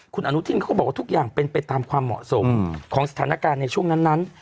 คุณอนุทินเขาก็บอกว่าทุกอย่างเป็นไปตามความเหมาะสมของสถานการณ์ในช่วงนั้น